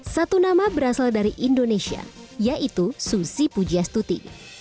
satu nama berasal dari indonesia yaitu susi pujastuti